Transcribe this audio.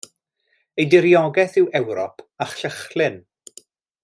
Ei diriogaeth yw Ewrop a Llychlyn.